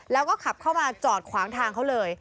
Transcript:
แล้วก็ขับเข้ามาจอดขวางทางเขาเลย